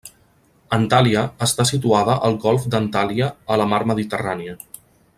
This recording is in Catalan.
Antalya està situada al golf d'Antalya a la mar Mediterrània.